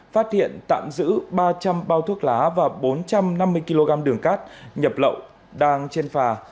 phát hiện tạm giữ ba trăm linh bao thuốc lá và bốn trăm năm mươi kg đường cát nhập lậu đang trên phà